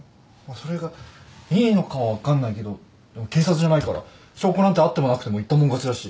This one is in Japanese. それがいいのかは分かんないけどでも警察じゃないから証拠なんてあってもなくても言った者勝ちだし。